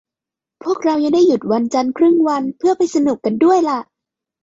พวกเรายังได้หยุดวันจันทร์ครึ่งวันเพื่อไปสนุกกันด้วยล่ะ